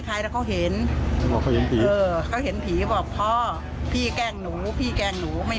ใครแล้วเขาเห็นเขาเห็นผีบอกพ่อพี่แกล้งหนูพี่แกล้งหนูไม่